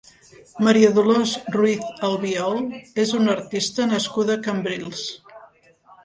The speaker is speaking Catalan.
Maria Dolors Ruiz Albiol és una artista nascuda a Cambrils.